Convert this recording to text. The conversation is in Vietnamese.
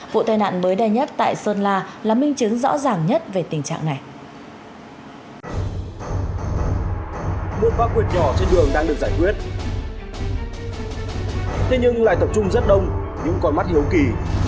vụ tai nạn mới đây nhất tại sơn la là minh chứng rõ ràng nhất về tình trạng này